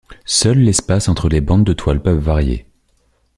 Seul l'espace entre les bandes de toile peuvent varier.